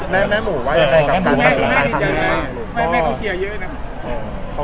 แม่หมูว่ายังไงกับแม่โกเชียเยอะนะ